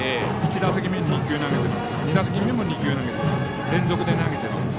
１打席目に２球投げていて２打席目にも２球連続で投げています。